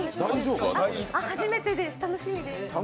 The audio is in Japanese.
初めてです、楽しみです。